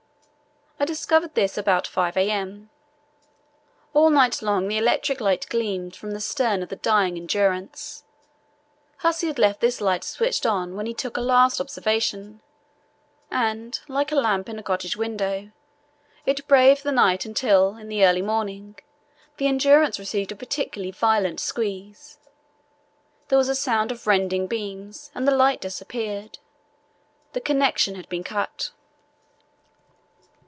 I discovered this about 5 a.m. All night long the electric light gleamed from the stern of the dying Endurance. Hussey had left this light switched on when he took a last observation, and, like a lamp in a cottage window, it braved the night until in the early morning the Endurance received a particularly violent squeeze. There was a sound of rending beams and the light disappeared. The connexion had been cut.